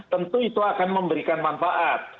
tentu itu akan memberikan manfaat